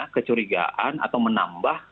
kecurigaan atau menambah